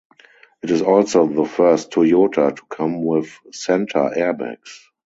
It is also the first Toyota to come with centre airbags.